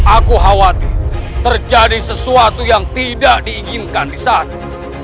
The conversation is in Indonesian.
aku khawatir terjadi sesuatu yang tidak diinginkan di sana